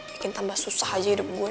bikin tambah susah aja hidup gue